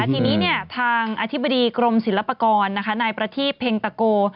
ทีนี้ทางอธิบดีกรมศิลปากรนายประทีพเพ็งตะโก